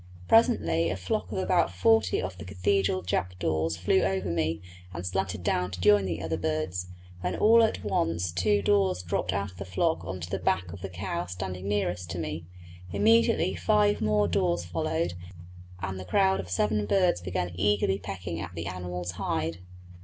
Presently a flock of about forty of the cathedral jackdaws flew over me and slanted down to join the other birds, when all at once two daws dropped out of the flock on to the back of the cow standing nearest to me. Immediately five more daws followed, and the crowd of seven birds began eagerly pecking at the animal's hide.